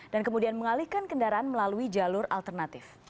dan kemudian mengalihkan kendaraan melalui jalur alternatif